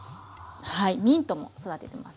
ミントも育てています。